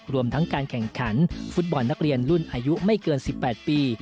รวมทั้งการแข่งขันฟุตบอลนักเรียนรุ่นอายุไม่เกิน๑๘ปี